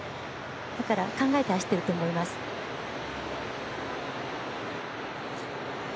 だから、考えて走っていると思います。